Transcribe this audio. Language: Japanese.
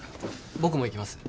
僕も行きます。